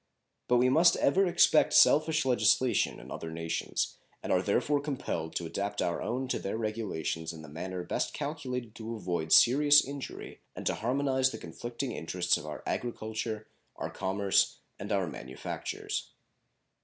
But we must ever expect selfish legislation in other nations, and are therefore compelled to adapt our own to their regulations in the manner best calculated to avoid serious injury and to harmonize the conflicting interests of our agriculture, our commerce, and our manufactures.